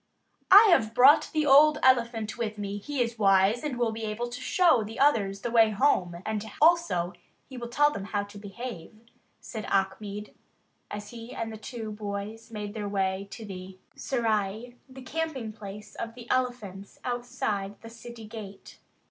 "I have brought the old elephant with me; he is wise and will be able to show the others the way home; and, also, he will tell them how to behave," said Achmed, as he and the two boys made their way to the serai, the camping place of the elephants outside the city gate.